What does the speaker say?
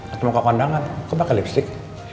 aku mau ke kondangan aku pake lipstick